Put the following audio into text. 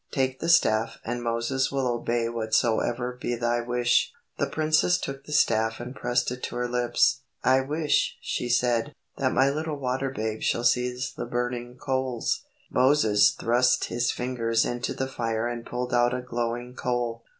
Take the staff and Moses will obey whatsoever be thy wish." The princess took the staff and pressed it to her lips. "I wish," she said, "that my little water babe shall seize the burning coals." Moses thrust his fingers into the fire and pulled out a glowing coal.